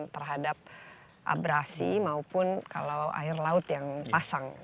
terhadap abrasi maupun kalau air laut yang pasang